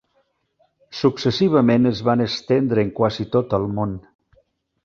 Successivament es van estendre en quasi tot el món.